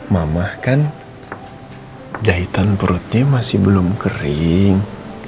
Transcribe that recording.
mamah kan jahitan perutnya masih belum kering